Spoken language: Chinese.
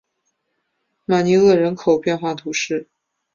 马尼厄人口变化图示